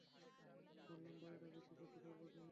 বললাম, বাড়িটা বিক্রি করতে পারব কি না।